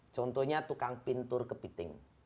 contohnya tukang pintur kepiting